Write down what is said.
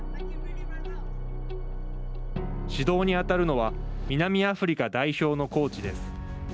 指導にあたるのは南アフリカ代表のコーチです。